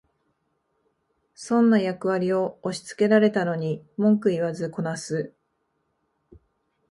損な役割を押しつけられたのに文句言わずこなす